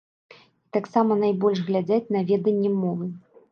І таксама найбольш глядзяць на веданне мовы.